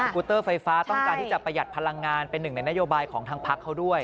กูเตอร์ไฟฟ้าต้องการที่จะประหยัดพลังงานเป็นหนึ่งในนโยบายของทางพักเขาด้วย